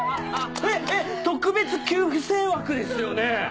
えっえっ特別給付生枠ですよね